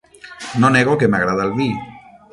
No nego que m'agrada el vi.